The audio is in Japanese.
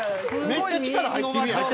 めっちゃ力入ってるやん。